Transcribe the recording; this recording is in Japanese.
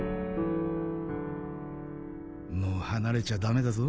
もう離れちゃ駄目だぞ。